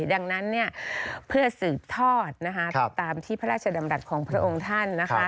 ดังนั้นเพื่อสืบทอดตามที่พระราชดำรัฐของพระองค์ท่าน